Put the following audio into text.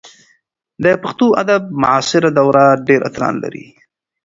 د پښتو ادب معاصره دوره ډېر اتلان لري.